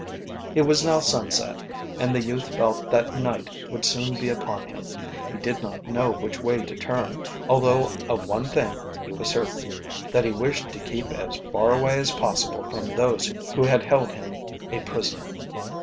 It was now sunset, and the youth felt that night would soon be upon him. He did not know which way to turn, although of one thing he was certain that he wished to keep as far away as possible from those who had held him a prisoner.